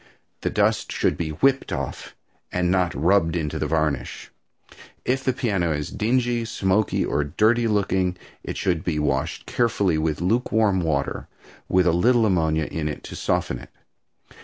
The dust should be whipped off, and not rubbed into the varnish. If the piano is dingy, smoky or dirty looking, it should be washed carefully with lukewarm water with a little ammonia in it to soften it.